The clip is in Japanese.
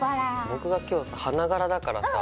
僕が今日さ花柄だからさ。